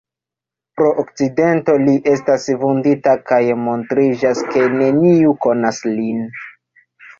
Pro akcidento li estas vundita, kaj montriĝas, ke neniu konas lin.